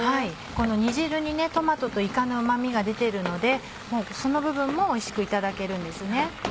この煮汁にトマトといかのうま味が出てるのでその部分もおいしくいただけるんですね。